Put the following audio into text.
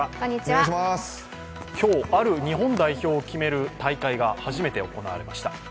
今日ある日本代表を決める大会が初めて行われました。